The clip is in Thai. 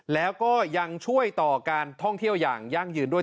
แล้วก็ยังช่วยต่อการท่องเที่ยวอย่างยั่งยืนด้วย